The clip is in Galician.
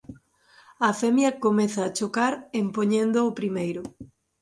A femia comeza a chocar en poñendo o primeiro.